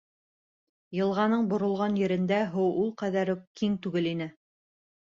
Йылғаның боролған ерендә һыу ул ҡәҙәр үк киң түгел ине.